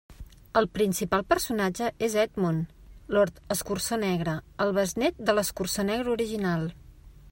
El principal personatge és Edmund, Lord Escurçó Negre, el besnét de l'Escurçó Negre original.